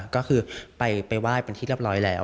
ก็คือไปไหว้เป็นที่เรียบร้อยแล้ว